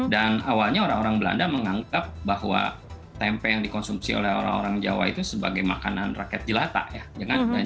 dan awalnya orang orang belanda menganggap bahwa tempe yang dikonsumsi oleh orang orang jawa itu sebagai makanan rakyat jelata ya